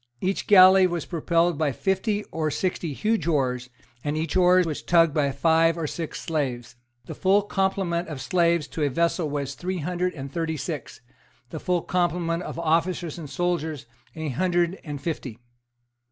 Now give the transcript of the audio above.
Each galley was propelled by fifty or sixty huge oars, and each oar was tugged by five or six slaves. The full complement of slaves to a vessel was three hundred and thirty six; the full complement of officers and soldiers a hundred and fifty.